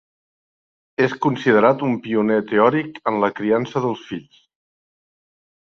És considerat un pioner teòric en la criança dels fills.